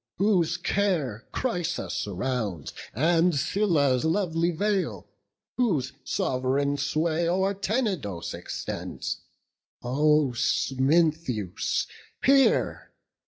whose care Chrysa surrounds, and Cilia's lovely vale; Whose sov'reign sway o'er Tenedos extends; O Smintheus, hear!